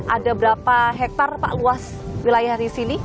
ada berapa hektare pak luas wilayah di sini